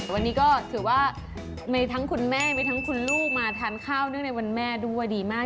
วันนี้ก็ถือว่าไม่ได้ทั้งคุณแม่ไม่ได้ทั้งคุณลูกมาทานข้าวนึงในวันแม่ดูดีมาก